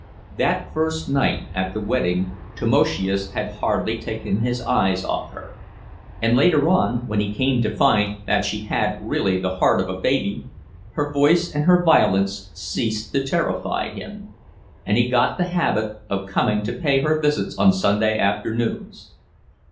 That first night at the wedding Tamoszius had hardly taken his eyes off her; and later on, when he came to find that she had really the heart of a baby, her voice and her violence ceased to terrify him, and he got the habit of coming to pay her visits on Sunday afternoons.